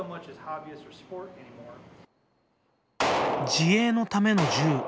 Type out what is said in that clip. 自衛のための銃。